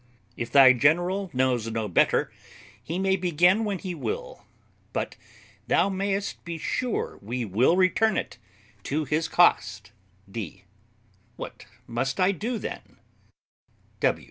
If thy general knows no better, he may begin when he will; but thou mayest be sure we will return it to his cost. D. What must I do, then?